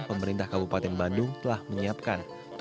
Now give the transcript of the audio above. pemerintah kabupaten bandung telah menyiapkan